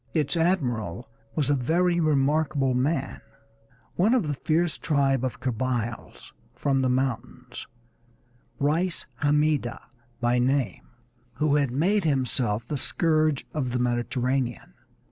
Its admiral was a very remarkable man, one of the fierce tribe of Kabyles from the mountains, Reis Hammida by name, who had made himself the scourge of the Mediterranean.